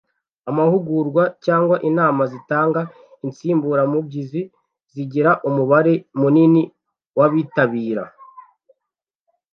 Amahugurwa cyangwa inama zitanga insimburamubyizi zigira umubare munini w’abitabira